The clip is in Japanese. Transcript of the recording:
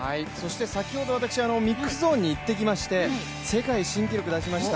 先ほど私、ミックスゾーンに行ってきまして、世界新記録を出しました